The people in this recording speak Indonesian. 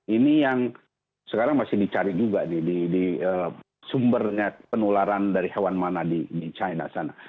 ini yang sekarang masih dicari juga nih di sumber penularan dari hewan mana di china sana